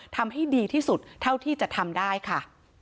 ทำให้ดีที่สุดเท่าที่จะทำได้ค่ะ